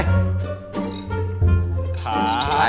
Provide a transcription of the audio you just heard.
รีบกินเถอะ